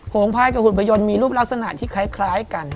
งภายกับหุ่นพยนตมีรูปลักษณะที่คล้ายกัน